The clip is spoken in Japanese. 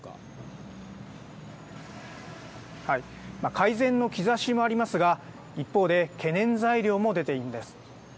改善の兆しもありますが一方で懸念材料も出ているんです。